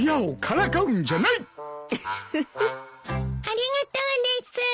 ありがとうです。